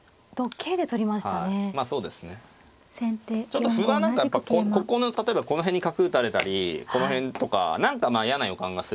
ちょっと歩は何かここの例えばこの辺に角打たれたりこの辺とか何か嫌な予感がするんで